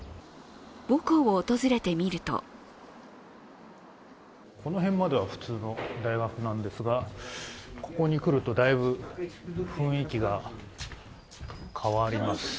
母校を訪れてみるとこの辺までは普通の大学なんですが、ここに来ると、だいぶ雰囲気が変わります。